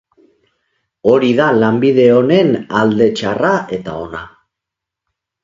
Hori da lanbide onen alde txarra eta ona.